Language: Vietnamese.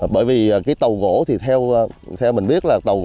bởi vì cái tàu gỗ thì theo mình biết là tàu